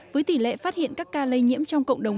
với tỷ lệ phát hiện các ca lây nhiễm trong cộng đồng